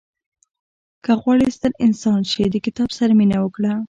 • که غواړې ستر انسان شې، د کتاب سره مینه وکړه.